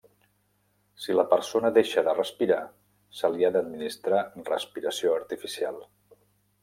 Si la persona deixa de respirar, se li ha d'administrar respiració artificial.